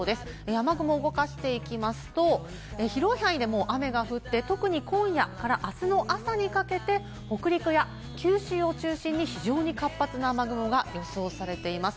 雨雲を動かしていきますと、広い範囲で、もう雨が降って、特に今夜からあすの朝にかけて、北陸や九州を中心に非常に活発な雨雲が予想されています。